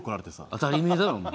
当たり前だろお前。